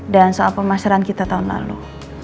dan soal pemasaran kita tahun lalu